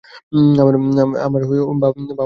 বাবার নাম আইয়ুব খান।